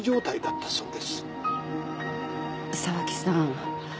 沢木さん。